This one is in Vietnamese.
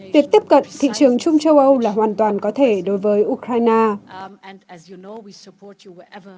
việc tiếp cận thị trường chung châu âu là hoàn toàn có thể đối với ukraine